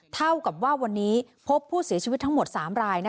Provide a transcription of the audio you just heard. เท่ากับว่าวันนี้พบผู้เสียชีวิตทั้งหมด๓ราย